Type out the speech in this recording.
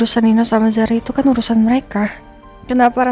silahkan mbak mbak